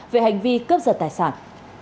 về hành vi cướp giật tài sản